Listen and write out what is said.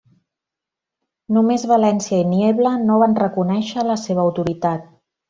Només València i Niebla no van reconèixer la seva autoritat.